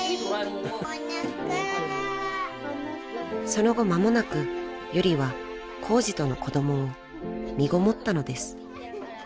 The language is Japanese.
［その後間もなくユリはコウジとの子供を身ごもったのです］